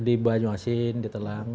di banyuasin di telang